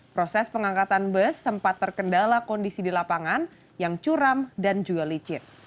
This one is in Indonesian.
proses pengangkatan bus sempat terkendala kondisi di lapangan yang curam dan juga licin